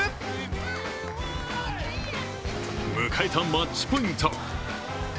迎えたマッチポイント。